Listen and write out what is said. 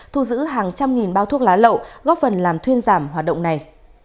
thu giữ hàng trăm nghìn bao thuốc lá lậu góp phần làm thuyên giảm hoạt động này